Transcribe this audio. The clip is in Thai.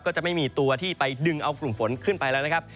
จะไม่มีตัวที่ไปดึงเอากลุ่มฝนขึ้นไปแล้วนะครับ